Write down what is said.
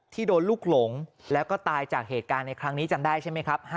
โดนลูกหลงแล้วก็ตายจากเหตุการณ์ในครั้งนี้จำได้ใช่ไหมครับ